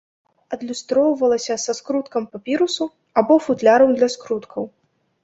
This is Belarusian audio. Адлюстроўвалася са скруткам папірусу або футлярам для скруткаў.